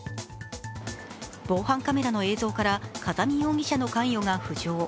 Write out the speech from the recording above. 防犯カメラの映像から風見容疑者の関与が浮上。